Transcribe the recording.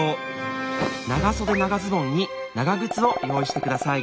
長袖長ズボンに長靴を用意してください。